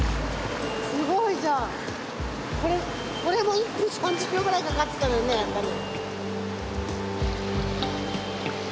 すごいじゃん。これも１分３０秒ぐらいかかってたのにね明香里。